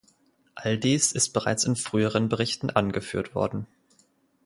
All dies ist bereits in früheren Berichten angeführt worden.